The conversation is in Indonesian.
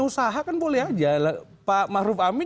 usaha kan boleh aja pak maruf amin